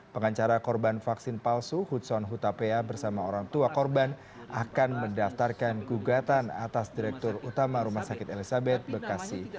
pengacara korban vaksin palsu hutson hutapea bersama orang tua korban akan mendaftarkan gugatan atas direktur utama rumah sakit elizabeth bekasi